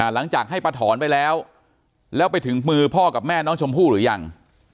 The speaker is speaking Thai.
หลังจากให้ป้าถอนไปแล้วแล้วไปถึงมือพ่อกับแม่น้องชมพู่หรือยัง